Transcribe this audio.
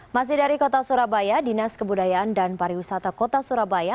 masih dari kota surabaya dinas kebudayaan dan pariwisata kota surabaya